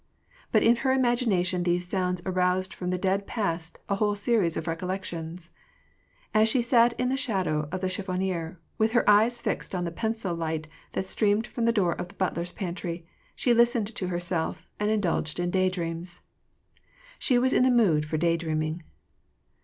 But in her imagination these sounds aroused from the dead past a whole series of recollections. As she sat in the shadow of the chiffonier, with her eyes fixed on the pencil of light that streamed from the door of the butler's pantry, she listened to herself, and indulged in day dreams. She was in the mood for day dreaming.